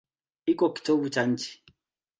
Iko kitovu cha nchi.